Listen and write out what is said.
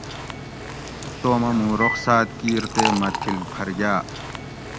توم اٞ مُوں رُخصاٞت کِیر تے مٞہ تھِل پھر گاٞ